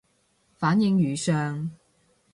反應如上